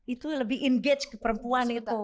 itu lebih engage ke perempuan itu